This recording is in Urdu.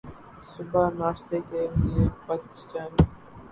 صبح ناشتے کے لئے بچ جائیں